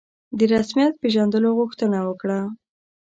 د رسمیت پېژندلو غوښتنه وکړه.